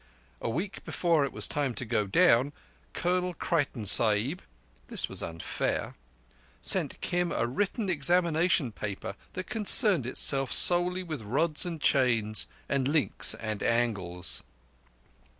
A week before it was time to go down, Colonel Creighton Sahib—this was unfair—sent Kim a written examination paper that concerned itself solely with rods and chains and links and angles.